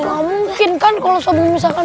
gak mungkin kan kalau sebelum misalkan